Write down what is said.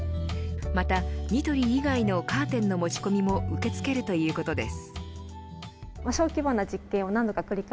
また、ニトリ以外のカーテンの持ち込みも受け付けるということです。